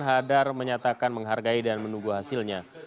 hadar menyatakan menghargai dan menunggu hasilnya